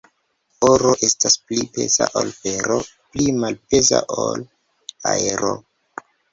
Oro estas pli peza ol fero, pli malpeza ol aero.